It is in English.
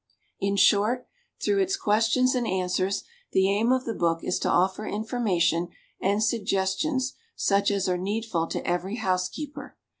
In short, through its questions and answers, the aim of the book is to offer information and suggestions such as are needful to every housekeeper.